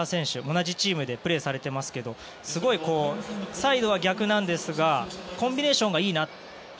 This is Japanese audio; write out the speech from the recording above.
同じチームでプレーされていますけどサイドは逆なんですがコンビネーションがいいなと。